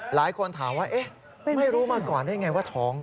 หลายคนถามว่าไม่รู้มาก่อนได้ไงว่าท้อง